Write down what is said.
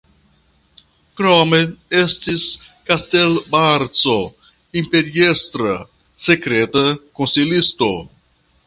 Krome estis Castelbarco imperiestra sekreta konsilisto.